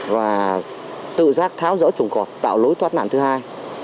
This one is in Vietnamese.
và tự giác tháo rỡ trùng cọp tạo lối thoát nạn thứ hai